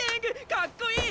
かっこいい！